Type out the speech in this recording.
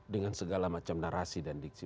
dengan segala macam narasi dan diksi